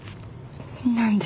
何で。